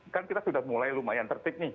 kan kita sudah mulai lumayan tertik nih